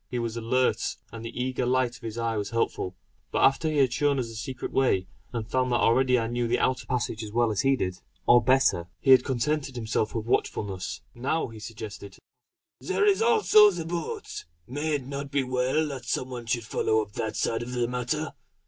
He was alert, and the eager light of his eye was helpful; but after he had shown us the secret way, and found that already I knew the outer passage as well as he did, or better, he had contented himself with watchfulness. Now he suggested: "There is also the boat! May it not be well that some one should follow up that side of the matter?